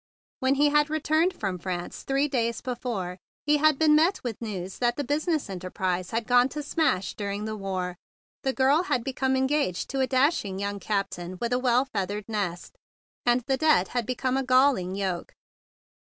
When he had returned from France three days before, he had been met with news that the business enterprise had gone to smash during the war, the girl had become engaged to a dashing young captain with a well feathered nest, and the debt had become a gall¬ ing yoke.